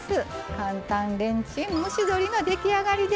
簡単レンチン蒸し鶏の出来上がりです。